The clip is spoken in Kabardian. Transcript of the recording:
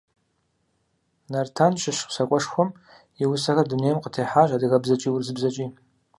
Нартан щыщ усакӀуэшхуэм и усэхэр дунейм къытехьащ адыгэбзэкӀи урысыбзэкӀи.